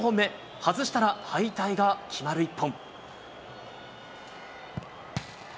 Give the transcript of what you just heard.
外したら敗退が決まる一本。